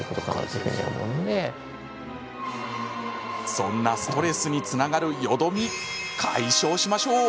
そんなストレスにつながるよどみ解消しましょう。